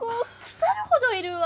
腐るほどいるわ。